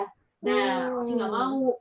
nah ozi gak mau